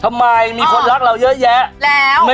ทำไมมีคนรักเราเยอะแยะ